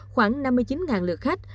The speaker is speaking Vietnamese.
khoảng năm mươi chín lượt khách